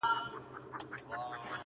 یار د عشق سبق ویلی ستا د مخ په سېپارو کي,